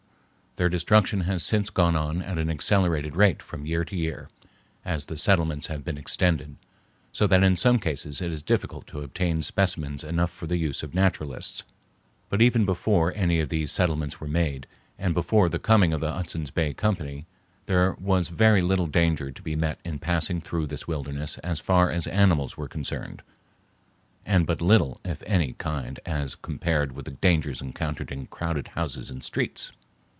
Their destruction has since gone on at an accelerated rate from year to year as the settlements have been extended, so that in some cases it is difficult to obtain specimens enough for the use of naturalists. But even before any of these settlements were made, and before the coming of the Hudson's Bay Company, there was very little danger to be met in passing through this wilderness as far as animals were concerned, and but little of any kind as compared with the dangers encountered in crowded houses and streets.